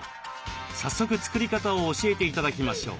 早速作り方を教えて頂きましょう。